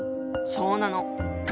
そうなの。